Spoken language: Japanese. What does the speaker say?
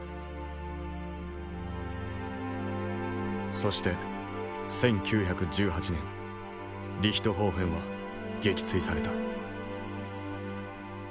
そして１９１８年リヒトホーフェンは撃墜された。